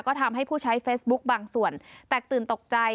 ก็ทำให้ผู้ใช้เฟซบุ๊คบางส่วนแตกตื่นตกใจ